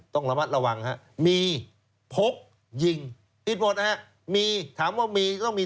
ถ้ามีทะเบียนของตัวเองแล้วไป